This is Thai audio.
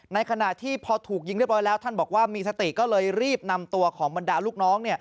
ในขณะที่พอถูกยิงเรียบร้อยแล้วท่านบอกว่ามีสติก็เลยรีบนำตัวของบรรดาลูกน้อง